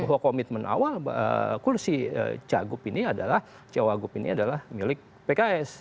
bahwa komitmen awal kursi cagup ini adalah cawagup ini adalah milik pks